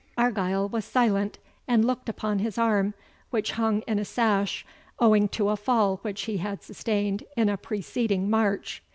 Argyle was silent, and looked upon his arm, which hung in a sash, owing to a fall which he had sustained in a preceding march.